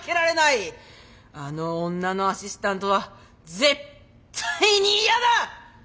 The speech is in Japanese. あの女のアシスタントは絶対に嫌だ！